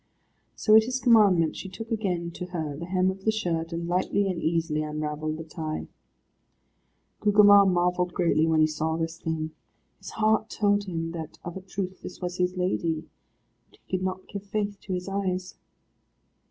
So at his commandment she took again to her the hem of the shirt, and lightly and easily unravelled the tie. Gugemar marvelled greatly when he saw this thing. His heart told him that of a truth this was his lady, but he could not give faith to his eyes.